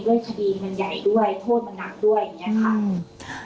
เรื่องคดีมันใหญ่ด้วยโทษมันนักด้วยอย่างนี้ค่ะ